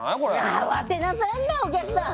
慌てなさんなお客さん。